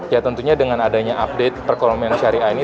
ya tentunya dengan adanya update perekonomian syariah ini